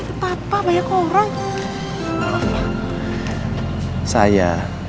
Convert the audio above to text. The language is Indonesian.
itu sangat memperhatikan kandungan kamu